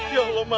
ya allah mak